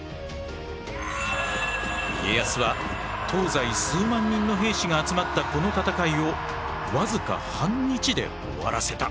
家康は東西数万人の兵士が集まったこの戦いを僅か半日で終わらせた。